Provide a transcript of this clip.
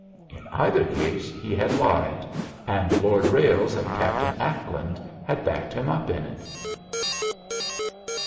In either case he had lied, and Lord Ralles and Captain Ackland had backed him up in it.